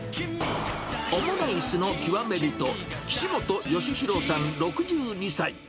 オムライスの極め人、岸本好弘さん６２歳。